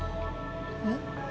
えっ？